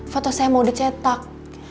foto saya mau dicetak